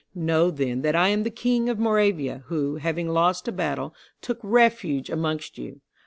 Know then that I am the King of Moravia, who, having lost a battle, took refuge amongst you.